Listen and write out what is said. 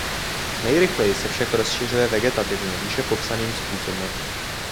Nejrychleji se však rozšiřuje vegetativně výše popsaným způsobem.